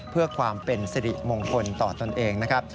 เพื่อความเป็นสิริมงคลต่อตนเองนะครับ